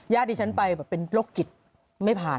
ญาติตีฉันไปเป็นโรคกิจไม่ผ่าน